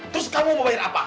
terus kamu mau bayar apa